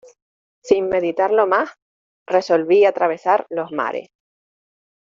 sin meditarlo más, resolví atravesar los mares.